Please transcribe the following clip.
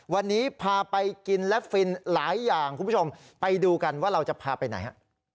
วันนี้พาไปกินและฟินหลายอย่างคุณผู้ชมไปดูกันว่าเราจะพาไปไหนฮะ